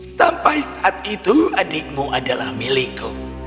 sampai saat itu adikmu adalah milikku